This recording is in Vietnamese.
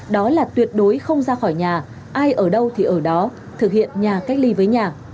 đó là tuyệt đối không ra khỏi nhà ai ở đâu thì ở đó thực hiện nhà cách ly với nhà